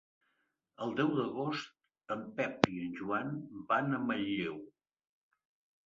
El deu d'agost en Pep i en Joan van a Manlleu.